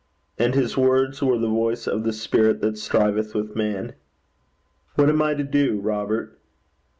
And his words were the voice of the spirit that striveth with man. 'What am I to do, Robert?'